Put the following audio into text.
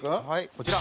こちら。